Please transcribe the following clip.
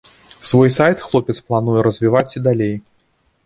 Свой сайт хлопец плануе развіваць і далей.